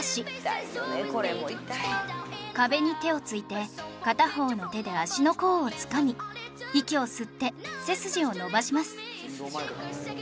「痛いよねこれも痛い」壁に手をついて片方の手で足の甲をつかみ息を吸って背筋を伸ばします